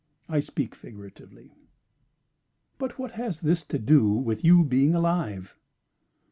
I speak figuratively." "But what has this to do with you being alive?"